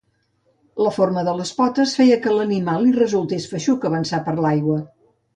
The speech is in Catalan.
La forma de les potes feia que a l'animal li resultés feixuc avançar per l'aigua.